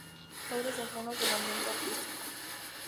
Ambos padres ajenos al ambiente artístico.